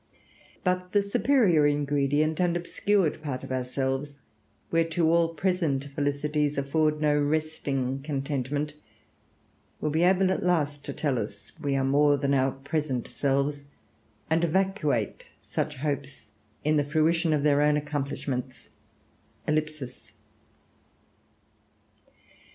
But the superior ingredient and obscured part of ourselves, whereto all present felicities afford no resting contentment, will be able at last to tell us we are more than our present selves, and evacuate such hopes in the fruition of their own accomplishments....